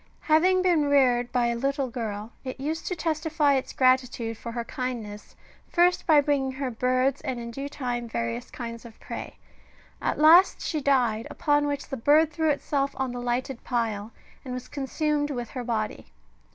Having been reared by a little girl, it used to testify its gratitude for her kindness, first by bringing her birds, and in due time various kinds of prey : at last she died, upon which the bird threw itself on the lighted pile, and was consumed with her body.